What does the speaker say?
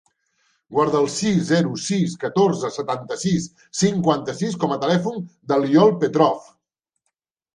Guarda el sis, zero, sis, catorze, setanta-sis, cinquanta-sis com a telèfon de l'Iol Petrov.